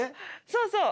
そうそう。